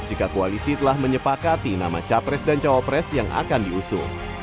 jika koalisi telah menyepakati nama capres dan cawapres yang akan diusung